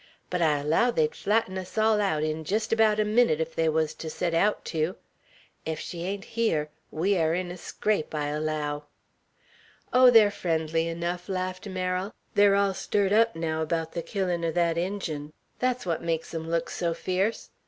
But I allow they'd flatten us all aout in jest abaout a minnit, if they wuz to set aout tew! Ef she ain't hyar, we air in a scrape, I allow." "Oh, they're friendly enough," laughed Merrill. "They're all stirred up, now, about the killin' o' that Injun; that's what makes 'em look so fierce.